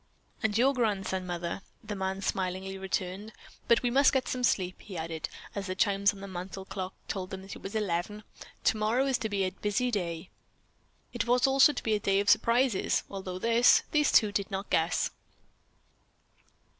"And your grandson, mother?" the man smilingly returned. "But we must get some sleep," he added, as the chimes on the mantle clock told them that it was eleven. "Tomorrow is to be a busy day." It was also to be a day of surprises, although this, these two did not guess.